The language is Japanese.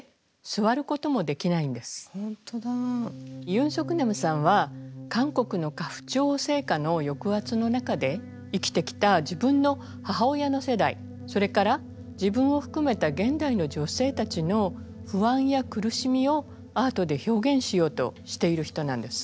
ユン・ソクナムさんは韓国の家父長制下の抑圧の中で生きてきた自分の母親の世代それから自分を含めた現代の女性たちの不安や苦しみをアートで表現しようとしている人なんです。